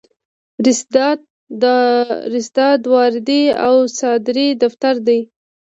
رسیدات د واردې او صادرې دفتر دی.